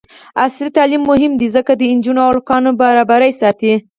عصري تعلیم مهم دی ځکه چې د نجونو او هلکانو برابري ساتي.